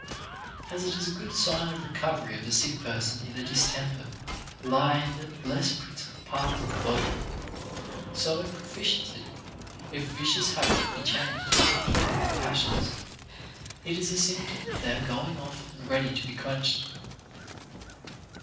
As it is a good sign of recovery of a sick person if the distemper lie in the less principal parts of the body ; so in proficiency, if vicious habits be changed into more toler able passions, it is a symptom that they are going off and ready to be quenched.